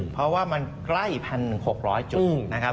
เพราะว่ามันใกล้๑๖๐๐จุดนะครับ